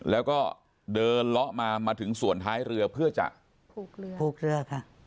แล้วก็เดินเลาะมามาถึงส่วนท้ายเรือเพื่อจะผูกเรือ